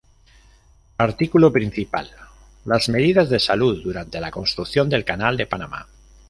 Artículo principal: Las Medidas de Salud durante la construcción del canal de Panamá.